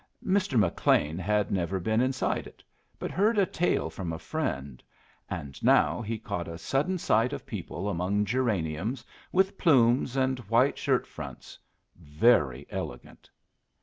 Mr. McLean had never been inside it, but heard a tale from a friend; and now he caught a sudden sight of people among geraniums, with plumes and white shirt fronts, very elegant.